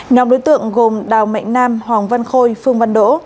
nhóm đối tượng gồm đào mạnh nam hoàng văn khôi phương văn đỗ